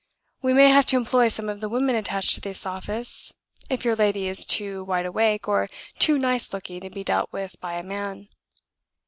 We may have to employ some of the women attached to this office, if your lady is too wideawake or too nice looking to be dealt with by a man.